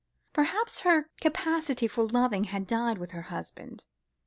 Perhaps her capacity for loving had died with her husband.